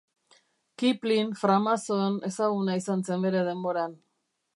Kipling framazon ezaguna izan zen bere denboran.